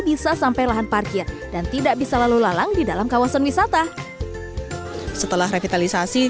bisa sampai lahan parkir dan tidak bisa lalu lalang di dalam kawasan wisata setelah revitalisasi